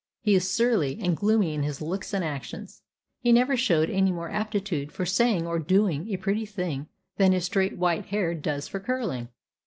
He is surly and gloomy in his looks and actions. He never showed any more aptitude for saying or doing a pretty thing than his straight white hair does for curling.